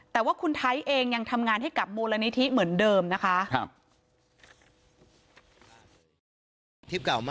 แต่ว่าคุณไทยเองยังทำงานให้กับมูลนิธิเหมือนเดิมนะคะ